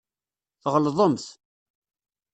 Tɣelḍemt.